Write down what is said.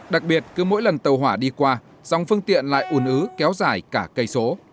đặc biệt cứ mỗi lần tàu hỏa đi qua dòng phương tiện lại ủn ứ kéo dài cả cây số